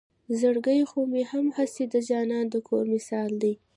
زړګے خو مې هم هسې د جانان د کور مثال دے